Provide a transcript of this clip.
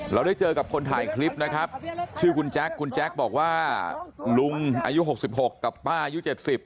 เราได้เจอกับคนถ่ายคลิปนะครับชื่อคุณแจ๊คคุณแจ๊คบอกว่าลุงอายุ๖๖กับป้ายุเจ็ดสิบ